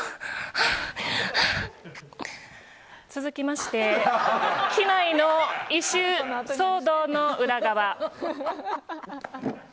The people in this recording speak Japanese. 続きまして機内の異臭騒動の裏側。